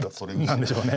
何でしょうね。